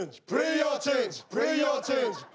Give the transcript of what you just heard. プレーヤーチェンジ。